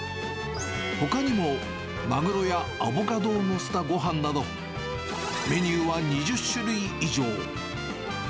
ほかにも、マグロやアボカドを載せたごはんなど、メニューは２０種類以上。